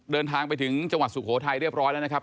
เดินทางไปถึงจังหวัดสุโขทัยเรียบร้อยแล้วนะครับ